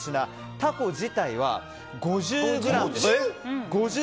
タコ自体は５０ｇです。